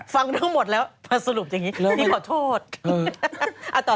ฟังทั้งหมดแล้วมาสรุปจะอย่างนี้